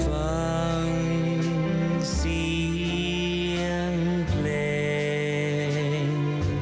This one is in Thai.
ฟังเสียงเพลง